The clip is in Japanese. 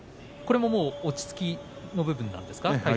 これも落ち着きの部分でしょうか。